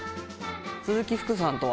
鈴木福さんとは。